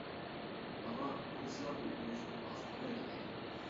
ماڭا كۇرسلاردا ئۆگىنىش بىر ئاز قولايلىق ئىدى.